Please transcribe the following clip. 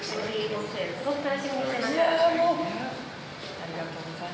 ありがとうございます